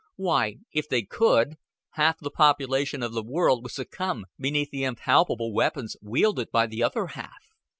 Why, if they could, half the population of the world would succumb beneath the impalpable weapons wielded by the other half.